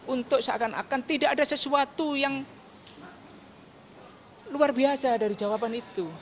untuk seakan akan tidak ada sesuatu yang luar biasa dari jawaban itu